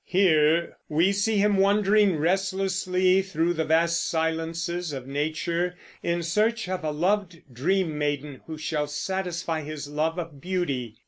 Here we see him wandering restlessly through the vast silences of nature, in search of a loved dream maiden who shall satisfy his love of beauty.